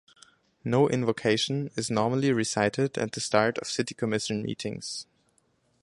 No invocation is normally recited at the start of City Commission meetings.